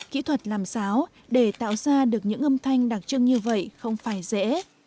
kỹ thuật làm sáo để tạo ra được những âm thanh đặc trưng như vậy không phải dễ